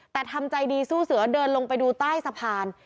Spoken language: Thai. แต่ทำใจดีสู้เสือเดินลงไปดูใต้สะพาน